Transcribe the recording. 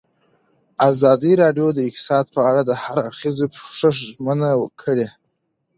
ازادي راډیو د اقتصاد په اړه د هر اړخیز پوښښ ژمنه کړې.